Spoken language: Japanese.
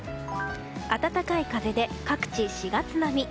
暖かい風で各地、４月並み。